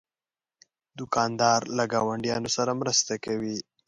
دوکاندار له ګاونډیانو سره مرسته کوي.